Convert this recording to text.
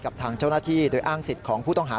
กับทางเจ้าหน้าที่โดยอ้างสิทธิ์ของผู้ต้องหา